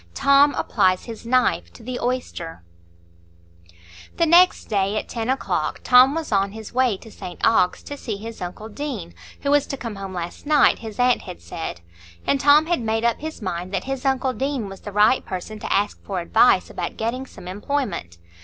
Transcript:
Tom Applies His Knife to the Oyster The next day, at ten o'clock, Tom was on his way to St Ogg's, to see his uncle Deane, who was to come home last night, his aunt had said; and Tom had made up his mind that his uncle Deane was the right person to ask for advice about getting some employment.